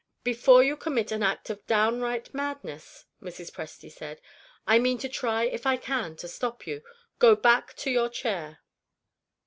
"Before you commit an act of downright madness," Mrs. Presty said, "I mean to try if I can stop you. Go back to your chair."